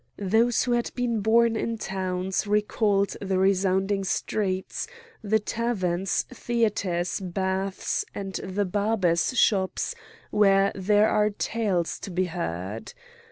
Those who had been born in towns recalled the resounding streets, the taverns, theatres, baths, and the barbers' shops where there are tales to be heard.